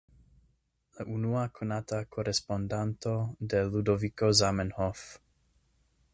La unua konata korespondanto de Ludoviko Zamenhof.